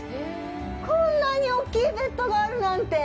こんなに大きいベッドがあるなんて。